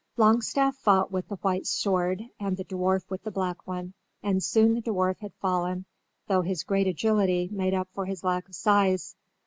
Longstaff fought with the white sword and the dwarf with the black one, and soon the dwarf had fallen, though his great agility made up for his lack of size.